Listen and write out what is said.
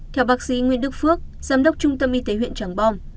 theo bác sĩ nguyễn đức phước giám đốc trung tâm y tế huyện tràng bom